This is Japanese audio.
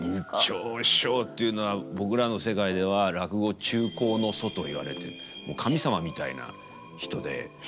圓朝師匠というのは僕らの世界では落語「中興の祖」と言われてもう神様みたいな人で。